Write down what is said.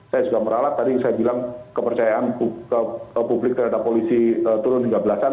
saya juga meralat tadi saya bilang kepercayaan publik terhadap polisi turun hingga belasan